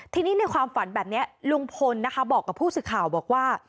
ทีนี้ในความฝันแบบนี้ลุงพลนะคะบอกกับผู้สื่อข่าวบอกว่า